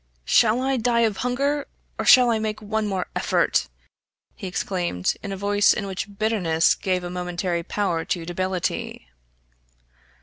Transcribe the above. "Shall I die of hunger or shall I make one more effort?" he exclaimed, in a voice in which bitterness gave a momentary power to debility.